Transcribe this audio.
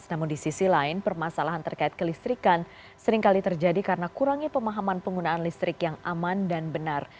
namun di sisi lain permasalahan terkait kelistrikan seringkali terjadi karena kurangnya pemahaman penggunaan listrik yang aman dan benar